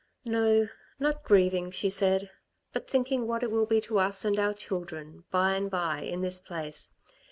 "No, not grieving," she said. "But thinking what it will be to us and our children, by and by, in this place.